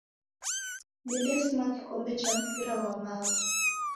Dedesima kikombe cha mpira ghwa maghu.